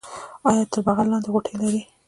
ایا تر بغل لاندې غوټې لرئ؟